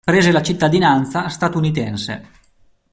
Prese la cittadinanza statunitense.